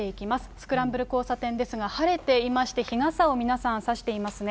スクランブル交差点ですが、晴れていまして、日傘を皆さん、差していますね。